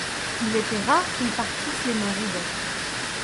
Il était rare qu'ils partissent les mains vides.